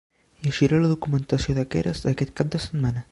Llegiré la documentació de Keras aquest cap de setmana.